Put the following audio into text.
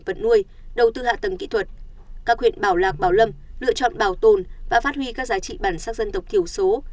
vật nuôi đầu tư hạ tầng kỹ thuật các huyện bảo lạc bảo lâm lựa chọn bảo tồn và phát huy các giá trị bản sắc dân tộc thiểu số